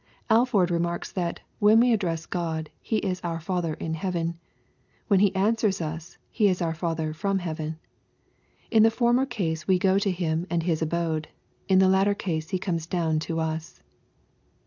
— Alford remarks that " when we address God, He is our Father in heaven, — when He answers us. He is our Father from heaven. In the former case we go up to Him and His abode. In the latter case He comes down to us."